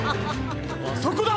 あそこだ！